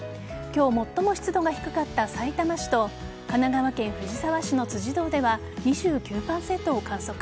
今日、最も湿度が低かったさいたま市と神奈川県藤沢市の辻堂では２９％を観測。